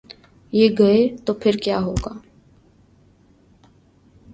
یہ گئے تو پھر کیا ہو گا؟